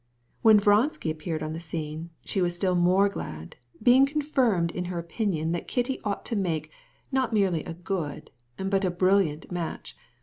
When Vronsky appeared on the scene, she was still more delighted, confirmed in her opinion that Kitty was to make not simply a good, but a brilliant match.